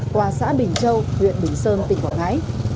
qua xã bình châu huyện bình sơn tỉnh quảng ngãi